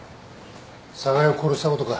寒河江を殺したことか？